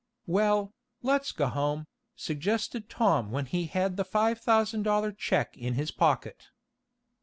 "Well, let's go home," suggested Tom when he had the five thousand dollar check in his pocket.